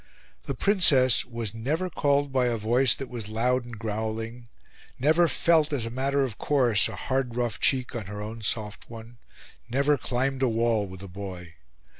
The Princess was never called by a voice that was loud and growling; never felt, as a matter of course, a hard rough cheek on her own soft one; never climbed a wall with a boy.